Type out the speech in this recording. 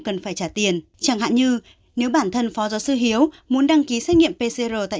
cần phải trả tiền chẳng hạn như nếu bản thân phó giáo sư hiếu muốn đăng ký xét nghiệm pcr tại